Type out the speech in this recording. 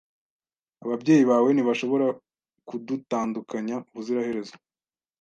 Ababyeyi bawe ntibashobora kudutandukanya ubuziraherezo.